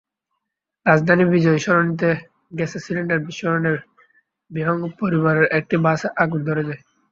রাজধানীর বিজয় সরণিতে গ্যাসের সিলিন্ডার বিস্ফোরণে বিহঙ্গ পরিবহনের একটি বাসে আগুন ধরে যায়।